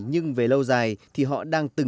nhưng về lâu dài thì họ đang khắc phục